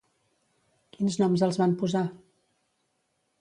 Quins noms els van posar?